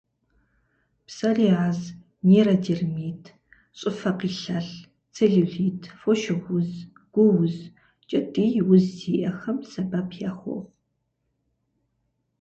Псориаз, нейродермит, щӏыфэ къилъэлъ, целлюлит, фошыгъу уз, гу уз, кӏэтӏий уз зиӏэхэм сэбэп яхуохъу.